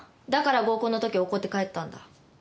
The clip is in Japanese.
だから合コンのとき怒って帰ったんだ？